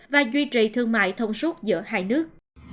và duy trì thương mại thông suốt giữa hai nước